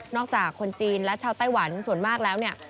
จากคนจีนและชาวไต้หวันส่วนมากแล้วเนี่ย